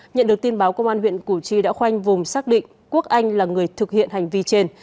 nhận được tin báo công an huyện củ chi đã khoanh vùng xác định quốc anh là người thực hiện hành vi trên